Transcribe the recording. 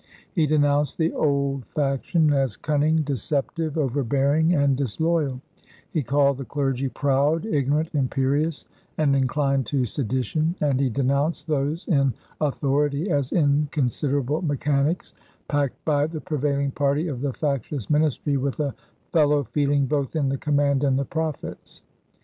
He denounced the "old faction" as cunning, deceptive, overbearing, and disloyal; he called the clergy proud, ignorant, imperious, and inclined to sedition; and he denounced those in authority as "inconsiderable mechanicks, packed by the prevailing party of the factious ministry, with a fellow feeling both in the command and the profits."